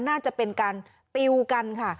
น่าจะเป็นการติวกันค่ะ